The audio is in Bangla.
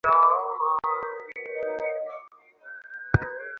লজিক ব্যবহার করার ক্ষমতা সবার মধ্যেই আছে।